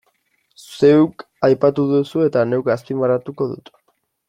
Zeuk aipatu duzu eta neuk azpimarratuko dut.